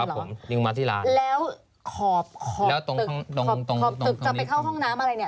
ครับผมลงมาที่ลานแล้วขอบขอบตึกขอบตึกจะไปเข้าห้องน้ำอะไรเนี้ย